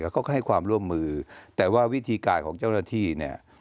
เขาก็ให้ความร่วมมือแต่ว่าวิธีการของเจ้าหน้าที่เนี่ย